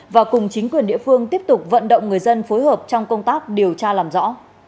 và cùng chính quyền địa phương tiếp tục vận động người dân phối hợp trong công tác điều tra làm rõ